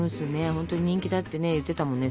ほんとに人気だって言ってたもんね。